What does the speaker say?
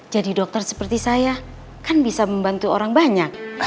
jadi dokter seperti saya kan bisa membantu orang banyak